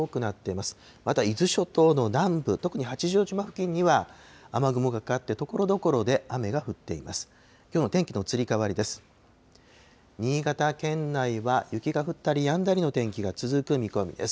また、伊豆諸島の南部、特に八丈島付近には雨雲がかかって、ところどころで雨が降っています。